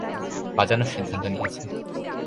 বাজানোর সিদ্ধান্ত নিয়েছে।